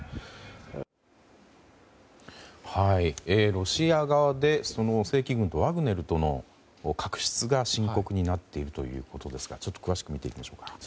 ロシア側で正規軍とワグネルとの確執が深刻になっているということですが詳しく見ていきましょうか。